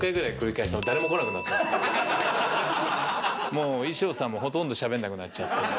もう衣装さんもほとんど喋んなくなっちゃって。